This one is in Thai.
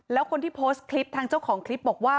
แล้วคนที่โพสต์คลิปทางเจ้าของคลิปบอกว่า